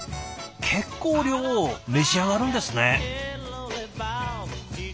結構量召し上がるんですね。